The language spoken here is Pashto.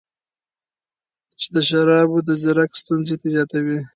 د شرابو څښاک د ځیګر ستونزې زیاتوي.